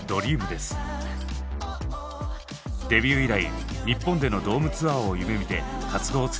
デビュー以来日本でのドームツアーを夢みて活動を続けてきたＳＥＶＥＮＴＥＥＮ。